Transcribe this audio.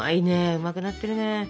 うまくなってるね。